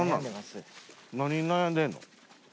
何に悩んでんの？